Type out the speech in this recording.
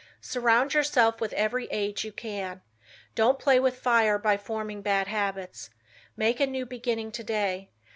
Surround yourself with every aid you can. Don't play with fire by forming bad habits. Make a new beginning today.